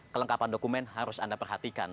kelengkapan dokumen harus anda perhatikan